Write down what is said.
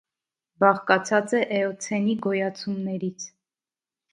Բաղկացած է էոցենի գոյացումներից։